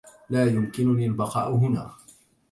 لا يمكنني البقاء هنا.